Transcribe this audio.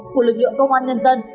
của lực lượng công an nhân dân